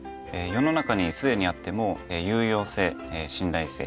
世の中にすでにあっても有用性信頼性